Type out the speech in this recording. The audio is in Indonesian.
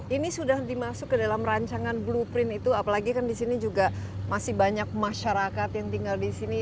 nah ini sudah dimasuk ke dalam rancangan blueprint itu apalagi kan disini juga masih banyak masyarakat yang tinggal disini